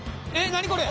何これ！